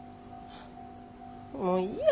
もういいや。